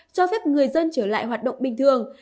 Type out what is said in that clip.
cho phép người dân trở lại hoạt động bình thường